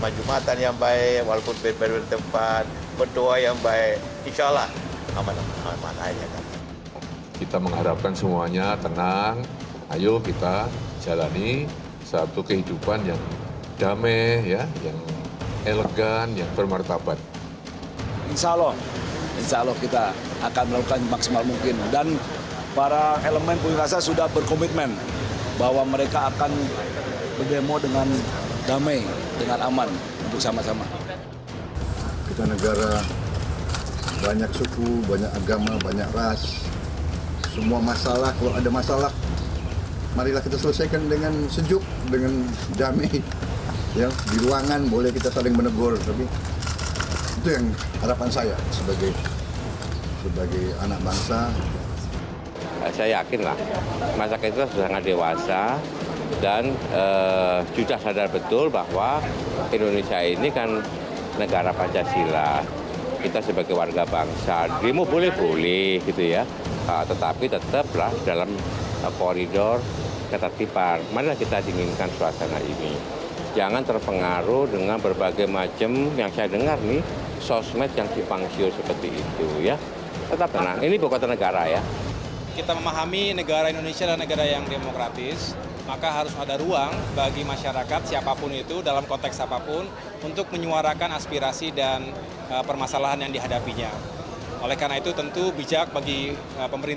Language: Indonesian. jangan lupa subscribe channel ini untuk dapat info terbaru